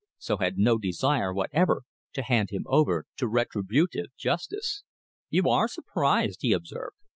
So had no desire whatever to hand him over to retributive justice. "You are surprised," he observed.